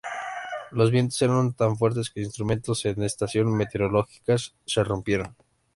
Los vientos eran tan fuertes que instrumentos en estaciones meteorológicas se rompieron.